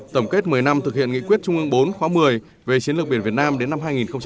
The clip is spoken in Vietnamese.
tổng kết một mươi năm thực hiện nghị quyết trung ương bốn khóa một mươi về chiến lược biển việt nam đến năm hai nghìn ba mươi